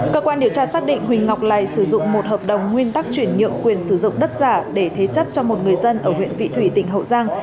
cơ quan điều tra xác định huỳnh ngọc lầy sử dụng một hợp đồng nguyên tắc chuyển nhượng quyền sử dụng đất giả để thế chấp cho một người dân ở huyện vị thủy tỉnh hậu giang